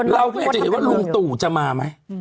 เราก็อยากจะเห็นว่าลุงตู่จะมาไหม